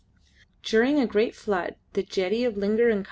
During a great flood the jetty of Lingard and Co.